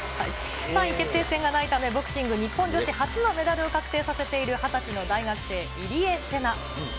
３位決定戦がないため、ボクシング日本女子初のメダルを確定させている、２０歳の大学生、入江聖奈。